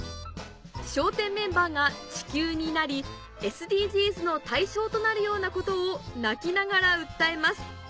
『笑点』メンバーが地球になりＳＤＧｓの対象となるようなことを泣きながら訴えます